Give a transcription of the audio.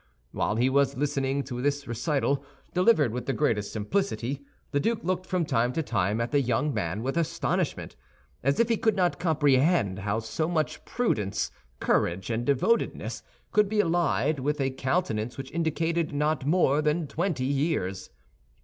While he was listening to this recital, delivered with the greatest simplicity, the duke looked from time to time at the young man with astonishment, as if he could not comprehend how so much prudence, courage, and devotedness could be allied with a countenance which indicated not more than twenty years.